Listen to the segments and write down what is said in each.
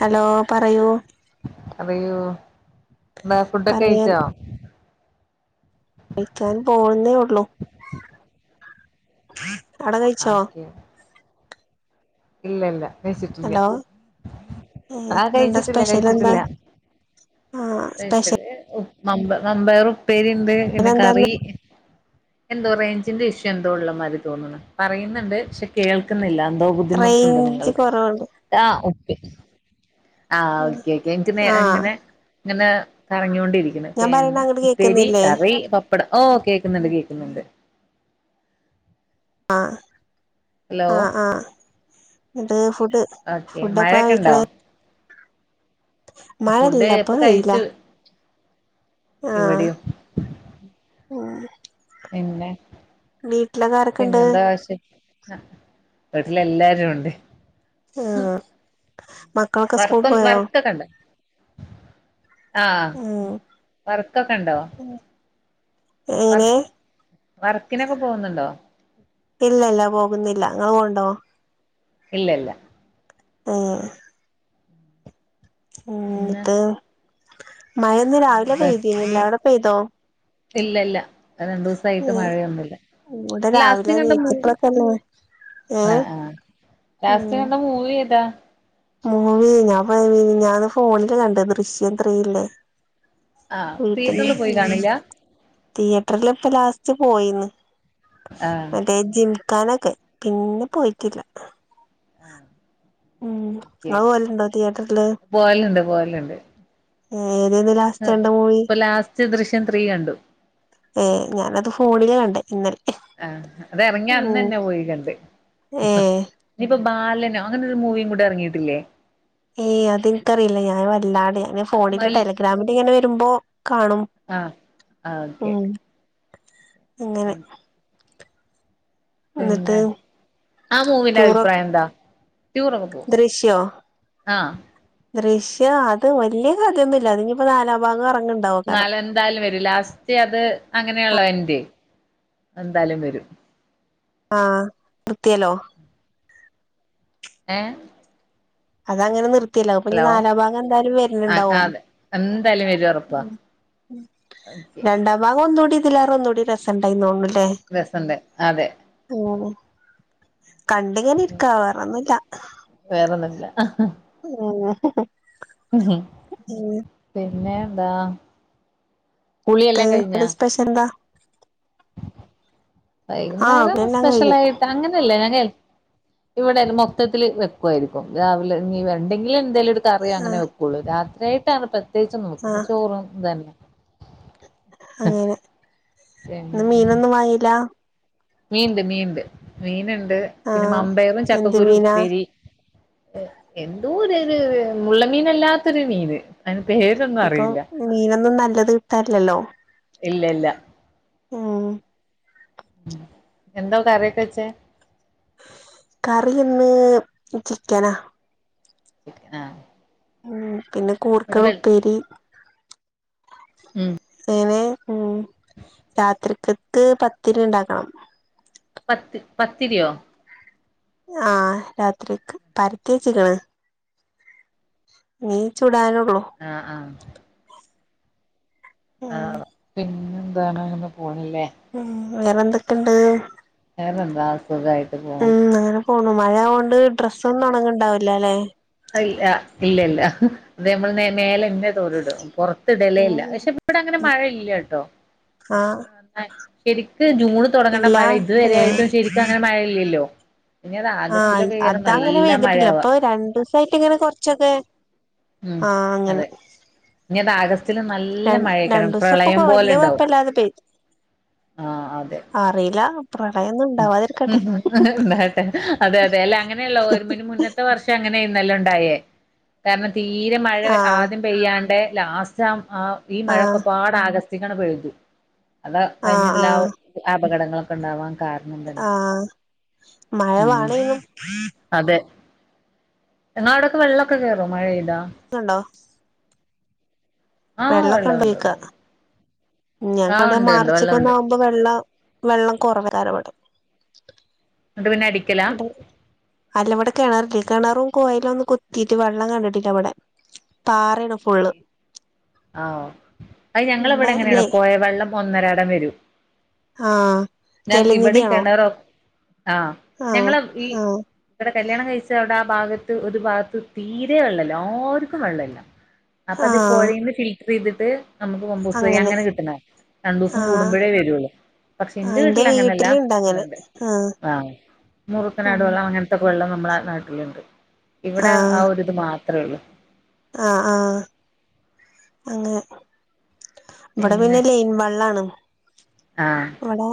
Hello പറയൂ പറയൂ എന്താ ഫുഡൊക്കെ പറയാൻ കഴിച്ചോ കഴിക്കാൻ പോവുന്നേ ഉള്ളു അവിടെ കഴിച്ചോ ഇല്ലല്ല കഴിച്ചിട്ടില്ല ഹലോ ഏ ആഹ് ഇന്നെന്താ കഴിച്ചിട്ടില്ല സ്പെഷ്യൽ എന്താ കഴിച്ചിട്ടില്ല ആ പെഷൽ സ്പെഷ്യൽ ഉമ്പ മമ്പാർ ഉപ്പേരി ഉണ്ട് പിന്നെ എന്താന്ന് കറി എന്തോ റേഞ്ചിന്റെ ഇഷ്യു എന്തോ ഉള്ള മാതിരി തോന്നണം പറയുന്നുണ്ട് പക്ഷെ കേൾക്കുന്നില്ല എന്തോ ബുദ്ധിമുട്ട ണ്ട് റേഞ്ച് നിങ്ങൾക്ക് കുറവുണ്ട് ആഹ് ഓക്കെ ആഹ് ഓക്കെ ഓക്കെ എനിക്ക് നേ ആ ഇങ്ങനെ ഇങ്ങനെ പറഞ്ഞൊണ്ടിരിക്കും ഞാൻ പറയണ പിന്നെ അങ്ങോട്ട് ഉപ്പേരി കേക്കുന്നില്ലേ കറി പപ്പടം ഓഹ് കേൾക്കുന്നുണ്ട് കേൾക്കുന്നുണ്ട് ആഹ് ഹലോ ആ ആഹ് ന്നട്ട് ഫുഡ് ഓക്കെ ഫുഡ എപ്പ മഴയൊക്കെ ഉണ്ടോ കഴക്ക ഫുഡ് മഴല്ലപ്പോ ഇപ്പൊ വെയില കഴിച്ചു ആഹ് ഇവിടെയും ഉം പിന്നെ വീട്ടിലൊക്കെ ആരൊക്കെണ്ട് പിന്നെ എന്താ ആശ്യ വീട്ടിലല്ലാരും ഉണ്ട് ആ മക്കളൊക്കെ സ്കൂൾ വർത്ത പോയോ വറുത്തൊ കണ്ട ആഹ് ഉം വർക്കൊക്കെണ്ടോ വറ എങ്ങനെ വർക്കനൊക്കെ പോകുന്നുണ്ടോ ഇല്ല ഇല്ല പോകുന്നില്ല ങ്ങൾ പോവണ്ടോ ഇല്ല ഇല്ല ആഹ് പിന്നെ മയ ഒന്ന് രാവിലെ ഇന്നെന്താ പെയ്തിീന്നില്ല എവിടെ പെയ്തോ ഇല്ല ഇല്ല രണ്ടു ദിവസായിട്ട് ഏ മഴയൊന്നുംല്ല ഇവിടെ ലാസ്റ്റ രാവിലെ കണ്ട മൂ നീച്ചപ്പളൊക്കെല്ലേ ഏ ആഹ് ആഹ് ഉം ലാസ്റ്റ് കണ്ട മൂവി ഏതാ മൂവി ഞാപ്പൊ മിനിഞ്ഞാന്ന് ഫോണില് കണ്ട ദൃശ്യം ത്രീല്ലേ ആഹ് [unintelligible] തിയേറ്ററിൽ പോയി കാണില്ല തിയേറ്ററിൽ ഇപ്പ ലാസ്റ്റ് പോയിന്ന് ആഹ് മറ്റേ ജിം ക്കാനൊക്കെ പിന്നെ പോയിട്ടില്ല ആഹ് ഉം അത് പോലുണ്ടോ തിയേറ്ററില് പോവലുണ്ട് പോവലുണ്ട് ഏതേന്ന് ലാസ്റ്റ് കണ്ട മൂവി ഇപ്പൊ ലാസ്റ്റ് ദൃശ്യം ത്രീ കണ്ടു ഏഹ് ഞാനത് ഫോണിൽ കണ്ട ഇന്നലെ ആഹ് അത ഇറങ്ങി ഉം അന്നന്നെ പോയി കണ്ട് ഏ ഇനിയിപ്പോ ബാലനോ അങ്ങനെൊരു മൂവിയും കൂടി ഇറങ്ങിയിട്ടില്ലേ ഏയ് അത എനിക്കറിയില്ല ഞാൻ വല്ലാതണ്ട് ഞെ ഫോണില് മല് ടെലഗ്രാമില് ഇങ്ങനെ വരുമ്പോ കാണും ആഹ് ആഹ് ഓക്കെ ഉം അങ്ങനെ എന്നിട്ട് പിന്നെ ആ മൂവിന്റെ ടൂറ അഭിപ്രായം എന്താ ടൂറൊക്കെ പോവും ദൃശ്യ ആഹ് ദൃശ്യം അത് വലിയ കഥയൊന്നുല്ല അങ്ങിപ്പോ നാലാ ഭാഗം ഇറങ്ങണ്ട് എന്നാല എന്തായാലും വരും ലാസ്റ്റ് അത് അങ്ങനെയള്ള എന്റ് എന്തായാലും വരും ആഹ് വൃത്തിയല്ലോ ഏഹ് അതങ്ങനെ നിർത്തിയല്ലോ അപ്പൊന്നി ഹലോ നാലാ ഭാഗന്തായാലും ആഹ് വര്ന്ണ്ടാവും ഒക്കെ രണ്ടാ ഭാഗൊന്നൂടിം തിലേറെന്നൂടി റെസണ്ടായിനി തോന്നല്ലേ രസണ്ട് അതെ ആഹ് കണ്ടിങ്ങനെ ഇര് ക്ക വേറൊന്നുല്ല. വേറൊന്നുല്ല ആഹ് പിന്നെന്താ കുളില്ലാം കഴിഞ്ഞാ ന്താ ആഹ് വൈന്നേരം എല്ലാം കഴിഞ്ഞു സ്പെഷ്യലായിട്ട് അങ്ങനെല്ല ഞാനെ ഇവടയിന് മൊത്തത്തില് വെക്കുവായിരിക്കും. രാവിലെ ഇനി ഇണ്ടെങ്കില് എന്തേലും ഒരു കറി അങ്ങനെ ആഹ് വെക് ക്ക്ള്ളൂ. രാത്രി ആയിട്ടാണ് പ്രത്യേകിച്ചൊന്നു വെക്കൂല. ആഹ് ചോറും ഇതന്നെ. അങ്ങനെ. പിന്നെ ഇന്ന് മീനൊന്നും വാങ്ങീല്ലാ? മീൻണ്ട് മീൻണ്ട്. മീന്ണ്ട് പിന്നെ ആഹ് മമ്പയറും എന്ത് ചക്കക്കുരു മീനാ ഉപ്പേരി ഇഹ് എന്തോ ഒരയിന്, മുള്ള് മീനല്ലാത്തൊരു മീന്. അയിന് പേരൊന്നും അറീല്ല. മീനൊന്നു നല്ലത് കിട്ടാറില്ലല്ലോ? ഇല്ലല്ല. ഊം. എന്താ കറിയൊക്കെ വെച്ചേ? കറിയിന്ന് ചിക്കനാ. ചിക്കനാ? ഉ പിന്നെ കൂർക്കൾ ഉപ്പേരി. ഉം. [unintelligible] ഉം. രാത്രിക്കക്ക് പത്തിരിണ്ടാക്കണം. പത്ത് പത്തിരിയോ? ആഹ് രാത്രിക്ക് പരത്തിച്ച്ക്ക്ണ്. ഇനി ചുടാനോള്ളു. ആഹ് ആഹ്. ഉം ആഹ് പിന്നെന്താണ്? ഇങ്ങനെ പോണ്‌ല്ലേ? മ്മ് വേറെന്തൊക്കെണ്ട്? വേറെന്താ സുഖായി ട്ട് പോണ്. അങ്ങനെ പോണു. മഴ ഓണ്ട് ഡ്രസ്സൊന്നും ഒണങ്ങ്ണ്ടാവില്ലാല്ലേ? അഹ് ഇല്ല ഇല്ലല്ല. അത് നമ്മൾ മേലന്നെ തോറിയിടും. പൊറത്ത് ഇടലേ ഇല്ല. ഉം പക്ഷെ ഇവടങ്ങനെ മഴ ഇല്ലട്ടോ. ആഹ് ശരിക്ക് ജൂണ് തൊടങ്ങേണ്ട ഇല്ല മഴ ഇതുവരെ ഏഹ് ആയിട്ടും ശരിക്കങ്ങനെ മഴ ഇല്ലല്ലോ? ആഹ് അതങ്ങനെ പെയ്തിട്ടില്ല. മഴയാവാ ഇപ്പൊ രണ്ടൂസ യിട്ട്ങ്ങനെ കൊറച്ചൊക്കെ, ആഹ് അങ്ങനെ. ഞ്ഞിതാ ആഗസ്റ്റില് ര നല്ല മഴേക്കാരം, രണ്ടു ദിവസം ഇപ്പൊ പ്രളയം വലിയ പോലെണ്ടാവും. കുഴപ്പമില്ലാതെ ആഹ് അതെ. അറീല്ലാ. പ്രളയൊന്ന് ഉം. ണ്ടാട്ടെ അതെ അതെ അല്ല അങ്ങനെല്ല. ഒരു മണി മുന്നേ ത്തെ വർഷം അങ്ങനേര്ന്നല്ലോ ഇണ്ടായേ? കാരണം തീരെ മഴ ആഹ് ആദ്യ പെയ്യാണ്ടെ ലാസ്റ്റ് ആഹ് ഈ ആഹ് മഴൊക്കെ പാട് ആഗസ്റ്റ്ക്കാണ്ട് പെയ്തു. അതാ ആഹ് കഴിഞ്ഞതിലാവോ ആഹ് അപകടങ്ങളൊക്കെ ഇണ്ടാവാൻ കാര ആഹ്, മഴ ഉം വാണേനും. അതെ. നിങ്ങളാടൊക്കെ വെള്ളൊക്കെ കേറൊ മഴെയ്താ. ത്ണ്ടോ? ആഹ് വെള്ളൊക്കെ വെള്ളമുണ്ട് ഇണ്ടൽക്ക. ഉണ്ട് ആഹ് ഞങ്ങക്കാണെ ഉണ്ട് ഉണ്ട് മാർച്ചൊക്കെ വെള്ളമുണ്ട് ഒന്നാവുമ്പോ വെള്ളം വെള്ളം കൊറവ ഒരരവിടം. എന്നിട്ട് പിന്നെ അടിക്കലാ ഇവിടെ, അല്ല ഇവിടെ കെണറില്ലേ, കെണറും കൊയലും ഒന്നും കുത്തിയിട്ട് വെള്ളം കണ്ടിട്ടില്ല ഇവിടെ. പാറേണ് ഫുള്ള്. ആഹ് അത് ഞങ്ങളെ ഇവിടെ അങ്ങനെയണ്‌. പോയാ വെള്ളം ഒന്നരാടം വരും. ആഹ് ഞ ഇവിടെയും ജലനിധിയാണോ കിണറോ, ആഹ്. ആഹ് ഞങ്ങള് ഈ ആഹ് ഇവിടെ കല്ല്യാണം കഴിച്ച അവിടെ ആ ഭാഗത്ത് ഒരു ഭാഗത്ത് തീരെ വെള്ളല്ലാ, ആർക്കും വെള്ളല്ലാ. അപ്പൊ അത് ആഹ് പൊഴേന്ന് ഫിൽറ്ററെയ്തിട്ട് നമുക്ക് പമ്പൗസ് വഴി, അങ്ങനെ കിട്ടണതാ. രണ്ടു ദിവസം ആഹ് കൂടുമ്പഴേ വരൂള്ളു. പക്ഷെ ഇന്റെ എന്റെ വീട്ടില് അങ്ങനെല്ല, വീട്ടിലുണ്ട് അങ്ങനെ വെള്ളണ്ട്. ആഹ് ഉം മുറുക്കനാടു വെള്ളം അങ്ങന ത്തൊക്കെ വെള്ളം നമ്മളെ ആഹ് നാട്ടില്ണ്ട്. ഇവിടെ ആ ഒരിത് മാത്രേ ഉള്ളൂ. ആഹ ആഹ അങ്ങനെ ഇവിടെ പിന്നെ ലൈൻ വെള്ളാണ് ആഹ് ഇവിടെ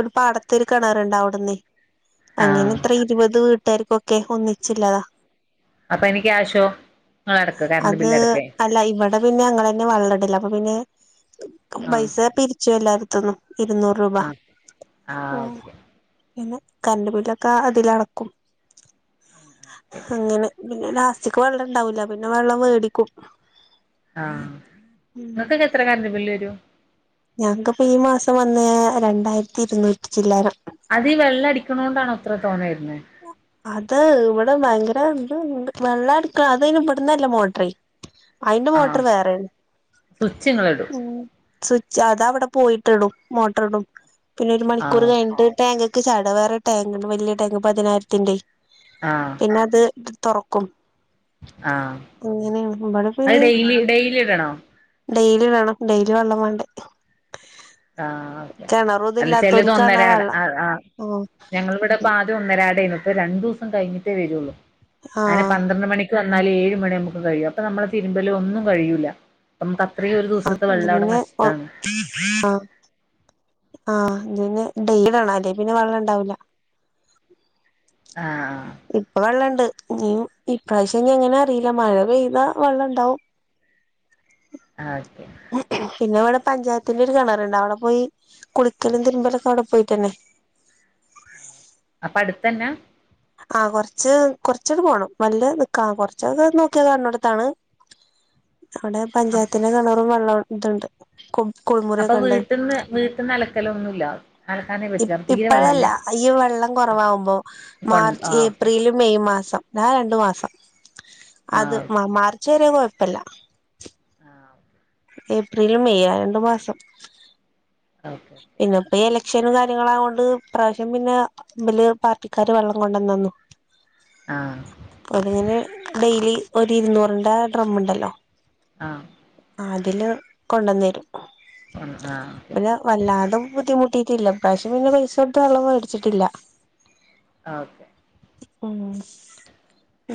ഒരു പാടത്ത് ഒരു കിണർ ഉണ്ടെ അവിടന്നെ ആഹ് അങ്ങനെ ഇത്ര ഇരുപത് വീട്ടുകാർക്കൊക്കെ ഒന്നിച്ചില്ലതാ അപ്പൊ അയിന് ക്യാഷോ അടക്കും ലെ അത് അല്ല ഇവിടെ പിന്നെ ഞാങ്ങളെന്നെ വെള്ളം ഇടല് അപ്പൊ പിന്നെ ആഹ് പൈസ പിരിച്ചു എല്ലായിട്ത്ത്ന്നും ഇരുന്നൂറ് രൂപ ആഹ് ആഹ് ഓക്കെ പിന്നെ കറണ്ട് ബില്ലൊക്കെ അതിലടക്കും അങ്ങനെ പിന്നെ ലാസ്റ്റിക് വെള്ളം ഇണ്ടാവൂല്ല പിന്നെ വെള്ളം വേടിക്കും ആഹ ഇങ്ങക്കൊക്കെ എത്ര കരണ്ട് ബില്ല് വരും ഞങ്ങക്കിപ്പൊ ഈ മാസം വന്ന് രണ്ടായിരത്തി ഇരുന്നൂറ്റി ചില്ലാനം അത് ഈ വെള്ളം അടിക്കണോണ്ടാണോ ഇത്ര തോനെ വരുന്നേ അത് ഇവിടെ ഭയങ്കര ഇത് ഇണ്ട് വെള്ളം എടുക്ക അത് അയിന് ഇവിടുന്നല്ല മോട്ടറെ അയിന്റെ മോട്ടർ ആഹ് വേറേണ് സ്വിച്ച് ഇങ്ങളിടും ഉം സ്വിച്ച് അത് അവിടെ പോയിട്ട് ഇടും മോട്ടർ ഇടും പിന്നെ ഒരു മണിക്കൂർ ആഹ് കഴിഞ്ഞിട്ട് ടാങ്ക് ചാട വേറെ ടാങ്ക് ഇണ്ട് വലിയ ടാങ്ക് പതിനായിരത്തിന്റെ ആഹ പിന്നെ അത് തൊറക്കും ആഹ് അങ്ങനേണ് ഇവിടെ അത് പിന്നെ ഡെയിലി ഡെയിലി ഇടണോ ഡെയിലി വേണം ഡെലി വെള്ളം വേണ്ടേ ആഹ് ഓകെ കിണറൊന്നും അല്ല ചെലത് ഇല്ലാത്തോൽക്കാണ് ആ ഒന്നരാടെ വെള്ളം ആഹ് ഉം ഞങ്ങളിവിടെ ആദ്യം ഒന്നരാടേന്നു ഇപ്പൊ രണ്ടു ദിവസം കഴിഞ്ഞിട്ടേ വരുള്ളൂ അങ്ങനെ ആഹ് പന്ത്രണ്ട് മണി വന്നാല് ഏഴ് മണി ആമ്പോക്കിനും കഴിയും അപ്പൊ നമ്മളെ തിരുമ്പലും ഒന്നും കഴിയൂല നമക്ക് അത്രയും ഒരു ദിവസത്തെ വെള്ളം അവിടെ നഷ്ടാണ് ആഹ ആഹ ഇന്നെ ഡെയൽല് [unintelligible] അല്ലേ പിന്നെ വെള്ളം ഉണ്ടാവൂല ആഹ ഇപ്പൊ വെള്ളം ഇണ്ട് ഉം ഇപ്രാവശ്യം ഇനി എങ്ങനേ അറീല്ല മഴ പെയ്താ വെള്ളം ഇണ്ടാവും ഓക്കെ പിന്നെ ഇവിടെ പഞ്ചായത്തിന്റെ ഒരു കിണറ്ണ്ട് അവിടെ പോയി കുളിക്കലും തിരുമ്പലൊക്കെ അവിടെ പോയിട്ടെന്നെ അപ്പൊ അടുത്തെന്നാ ആഹ കൊറച്ച് കൊറച്ചണ്ട് പോണം വല്ല്യ നിക്കാ കൊറച്ചൊക്കെ നോക്കിയാ കാണ് ണോടുത്താണ് അവിടെ പഞ്ചായത്തിന്റെ കെണറും വെള്ളം ഇതുണ്ട് [unintelligible] അപ്പൊ വീട്ട്ന്ന് വീട്ട്ന്ന് അലക്കലൊന്നും ഇല്ല അലക്കാനേ പറ്റില്ല തീരെ ഇപ്പഴല്ല വെള്ളമില്ല അത്‌ ഈ വെള്ളം കുറവാവുമ്പോ കൊ മാർച്ച് ആ ഓക്കെ ഏപ്രില് മെയ് മാസം ആ രണ്ട് മാസം ആ അത് ഓക്കെ മാർച്ച് ച്ച് വരെ കുഴപ്പല്ല ആഹ ഏപ്രില് മെയ് ആ രണ്ടു മാസം ഓക്കെ പിന്നെ ഇപ്പൊ എലക്ഷനും കാര്യങ്ങളായോണ്ട് ഈപ്രാവശ്യം പിന്നെ ഇബല് പാർട്ടിക്കാര് വെള്ളം കൊണ്ടന്നന്നു [unintelligible] ആഹ് അപ്പൊ അതിങ്ങനെ ഡെയിലി ഒര് ഇരുന്നൂറിന്റെ ഡ്രമ്മ്ണ്ടല്ലോ ആഹ് ആഹ് അതില് കൊണ്ടന്നെരും ഉം ആഹ് ഓക്കെ വല്ലാതെ ബുദ്ധിമുട്ടിട്ടില്ല ഇപ്രാവശ്യം പിന്നെ പൈസ കൊടുത്ത് വെള്ളം മേടിച്ചിട്ടില്ല ആഹ് ഓക്കെ ഉം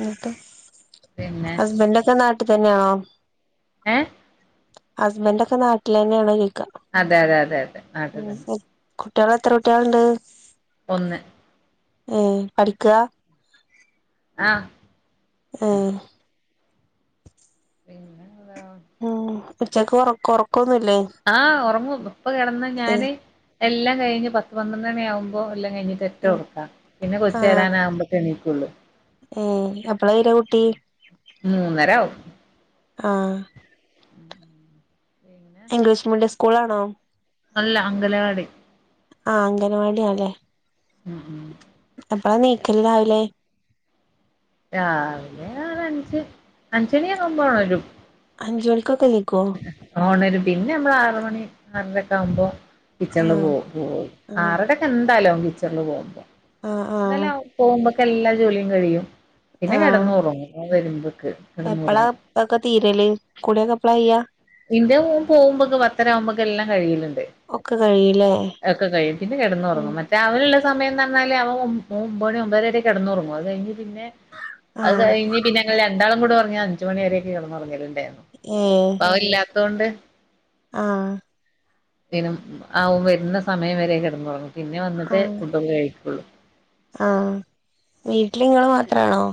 എന്നിട്ട് പിന്നെ ഹസ്ബന്റൊക്കെ നാട്ടി തന്നെയാണോ ഏഹ് ഹസ്ബന്റെക്കെ നാട്ടിലന്നേണോ ചോയിക്ക അതെ അതെ അതെ അതെ നാട്ടിത്തന്നെ കുട്ട്യേളെത്ര കുട്ട്യേള്ണ്ട് ഒന്ന് ഉം പഠിക്കുവാ ആഹ് ഉം പിന്നെന്താ ഉം ഉച്ചക്ക് ഒറക്കം ഒറക്കൊന്നുല്ലേ ആഹ് ഒറങ്ങും ഇപ്പ കെടന്ന് ഞാന് എല്ലാം കഴിഞ്ഞ് പത്ത് പന്ത്രണ്ട് മണി ആകുമ്പോൾ എല്ലാം കഴിഞ്ഞിട്ട് ഒറ്റ ഒറക്കാ പിന്നെ കൊച്ച് വരാനാകുമ്പോക്കെ എണീക്കുള്ളൂ ഉം എപ്പളാ വര്ക കുട്ടി മൂന്നരാവും ആഹ് പിന്നെ ഇംഗ്ലീഷ് മീഡിയം സ്കൂൾലാണോ അല്ല അംഗലവാടി ആഹ് അംഗനവാടിയാണല്ലേ ഉം ഉം എപ്പളാ എണീക്കല് രാവിലേ രാവിലെ ഒരഞ്ച് അഞ്ച്ണിയാവുമ്പ ഒണരും അഞ്ചോണിക്കക്കണീക്കോ ഒണരും പിന്നെ അമ്മള് ആറ് മണി ആറരെക്ക ആവുമ്പോ കിച്ചണില് ആഹ് പോവും പോയി ആഹ് ആറരക്കെന്തായാലും ആവും കിച്ചണില് പോകുമ്പോ, ആഹ് എന്നാലേ ആഹ് അവൻ പോകുമ്പ എല്ലാ ജോലിയും കഴിയും, പിന്നെ ആഹ് കെടന്നൊറങ്ങും അവൻ വരുമ്പക്ക് എപ്പളാ ഒക്കെ തീരല് കുളിയൊക്കെ എപ്പളാ കഴിയാ ഇന്റ മോൻ പോവുമ്പൊക്കെ പത്തരാവുമ്പൊക്ക എല്ലാം കഴിയലിണ്ട് ഒക്കെ കഴിയൂല്ലേ എക്കെ കഴിയും പിന്നെ ഉം കെടന്നൊറങ്ങും മറ്റ രാവിലുള്ള സമയം ന്താന്നാല് അവൻ ഒമ് ഒമ് ഒമ്പത് മണി ഒമ്പതര കെടന്നൊറങ്ങും അത് കഴിഞ്ഞ് പിന്നെ അത് ആഹ് കഴിഞ്ഞ് പിന്നെ ഞങ്ങള് രണ്ടാളും കൂടെ ഒറങ്ങി അഞ്ചു മണി വരെയൊക്കെ കെടന്ന് ഒറങ്ങലിണ്ടായിരുന്നു ആഹ് അവനില്ലാത്തോണ്ട് ആഹ് ത്തേനും അവൻ വരുന്ന സമയം വരെ കെടന്നൊറങ്ങും, പിന്നെ വന്നിട്ടേ ആഹ് ഫുഡൊക്കെ കഴിക്കുള്ളൂ ആഹ് വീട്ടിലിങ്ങള് മാത്രാണോ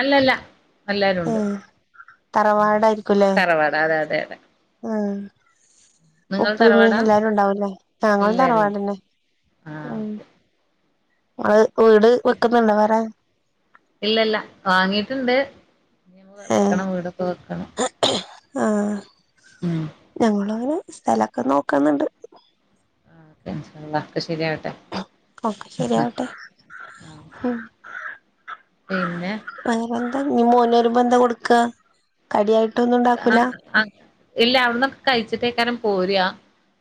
അല്ലല്ല എല്ലാരുണ്ട് തറവാടായിരിക്കുംലേ അതെ അതെ ഉം നിങ്ങൾ ഉപ്പ്മ്മീ തറവാടാ എല്ലാരും ഉണ്ടാവൂലേ ഞങ്ങളും എല്ലാരും ഉണ്ട് തറവാടന്നെ ആഹ് ഉം ഓക്കെ ങ്ങള് വീട് വെക്കുന്നുണ്ടോ വേറെ ഇല്ലല്ല വാങ്ങിട്ടുണ്ട് ഇനി ഏഹ് വെക്കണം വീടൊക്കെ വെക്കണം ആഹ് ഉം ഞങ്ങളുങ്ങിനെ സ്ഥലൊക്കെ നോക്കുന്നുണ്ട് ആഹ് ഇൻഷാ അല്ലാഹ് ഒക്കെ ശെരിയാവട്ടെ ഒക്കെ ശരിയാവട്ടെ ആവും പിന്നെ [unintelligible] ഞ്ഞിമോന് വരുമ്പോ എന്താ കൊടുക്കാ കടിയായിട്ട് ആഹ് ആഹ് ഇല്ല അവിട്ന്നൊക്കെ കഴിച്ചിട്ടേക്കാരം പോരാ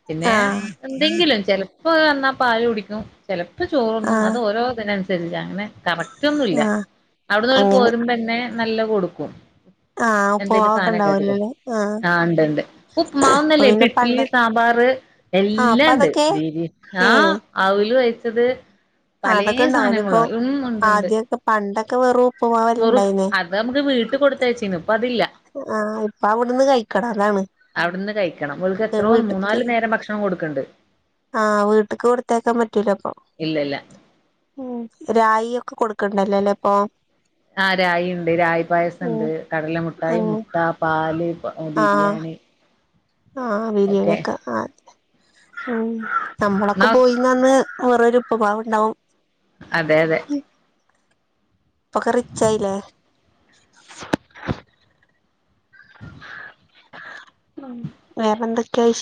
പിന്നെ ആഹ് എന്തെങ്കിലും ചെലപ്പോ വന്നാ പാല് കുടിക്കും ചെലപ്പോ ചോറുണ്ണും ആഹ് അത് ഓരോ തിനനുസരിച്ച അങ്ങനെ ക കറക്റ്റ് ഒന്നുല്ല ആഹ് അവിട്ന്ന് ഓല് അങ്ങനെ പോരുമ്പോന്നെ നല്ല കൊടുക്കും ആഹ് അപ്പോ [unintelligible] ആഹ് ഇണ്ട് ഇണ്ട് അപ്പൊ ഉപ്പ്മാവോന്നല്ലേ ഇപ്പോ പിന്നെ ഇഡ്ലി പണ്ട് സാമ്പാറ് ആഹ് അപ്പൊ എല്ലണ്ട് അതൊക്കെ ബീരി ഏഹ് ആഹ് അവ് ല് കുഴച്ചത് പലേ അതൊക്കെ ഉണ്ടാവൂലേ ഇപ്പൊ സാനങ്ങളോ ഉം ഇണ്ട്ണ്ട് ആദ്യൊക്കെ പണ്ടൊക്കെ വെറും ഉപ്പുമാവല്ലേ വെറു ഉണ്ടായിന്നേ അത് അമ്മക്ക് വീട്ട് കൊടുത്തയച്ചീന് ഇപ്പൊ അതില്ല ആഹ് ഇപ്പ അവിടുന്ന് കൈക്കണം ലെമ് അവിട്ന്ന് കഴിക്കണം ഓൽക്ക് എത്രോ മൂന്നാല് നേരം ഭക്ഷണം കൊടുക്ക്ണ്ട് ആഹ് വീട്ട്ക്ക് കൊടുത്തയക്കാൻ പറ്റൂല അപ്പൊ ഇല്ല ഇല്ല ഉം രായി ഒക്കെ കൊടുക് ആഹ് രായി ഇണ്ട് രായി പായസ്ണ്ട്, ഉം കടല മുട്ടായി, ഉം മുട്ട, പാല്, ആഹ് ബിരിയാണി ആഹ് ഓക്കെ ബിരിയാണിക്കെ ആഹ് ഉം നമ്മളൊക്കെ ന്നാ പോയി പിനന്ന് വെറും ഒരു ഉപ്പ്മാവ് ഇണ്ടാവും അതെ അതെ ഇപ്പൊക്കെ റിച്ചായില്ലേ [inaudible] വേറെന്തൊക്കെ വിശേ